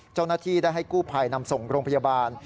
เจ้าหน้าที่ได้ให้กู้ภัยนำส่งโรงพยาบาล